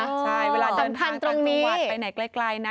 ใช่เวลาเดินทางตรงจังหวัดไปไหนไกลนะ